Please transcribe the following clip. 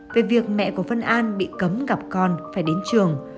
về việc mẹ của vân an bị cấm gặp con phải đến trường